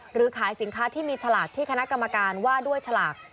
หรือขายสินค้าที่มีฉลากที่คณะกรรมการว่าด้วยฉลาก